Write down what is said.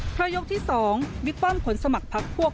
พระยกที่๒วิกฟังผลสมัครพักพวก